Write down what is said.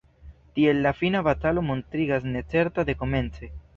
Tiel la fina batalo montriĝas necerta dekomence,